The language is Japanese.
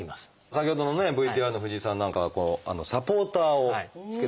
先ほどのねＶＴＲの藤井さんなんかはサポーターを着けてらっしゃるって。